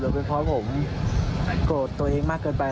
เป็นเพราะผมโกรธตัวเองมากเกินไป